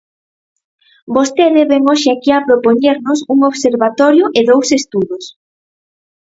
Vostede vén hoxe aquí a propoñernos un observatorio e dous estudos.